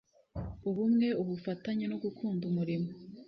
ubumwe, ubufatanye no gukunda umurimo